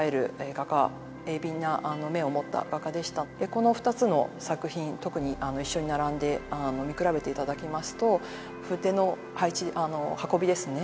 画家鋭敏な目を持った画家でしたこの２つの作品特に一緒に並んで見比べていただきますと筆の運びですね